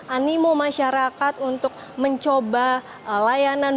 animo masyarakat untuk mencoba layanan